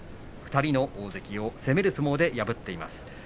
２人の大関を攻める相撲で破っています。